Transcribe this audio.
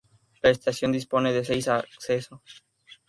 La estación dispone de seis acceso.